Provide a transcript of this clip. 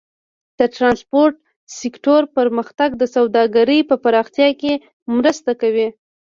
د ټرانسپورټ سکتور پرمختګ د سوداګرۍ په پراختیا کې مرسته کوي.